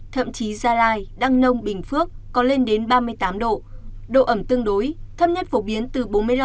thậm chí gia lai đăng nông bình phước có lên đến ba mươi tám độ độ ẩm tương đối thấp nhất phổ biến từ bốn mươi năm